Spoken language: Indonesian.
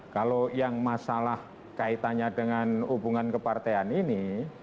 kalau yang masalah kaitannya dengan hubungan kepartean ini